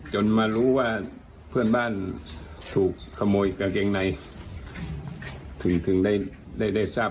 จนมารู้ว่าเพื่อนบ้านถูกขโมยกางเกงในถึงถึงได้ได้ทราบ